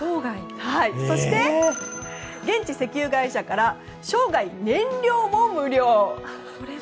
そして、現地石油会社から生涯、燃料も無料。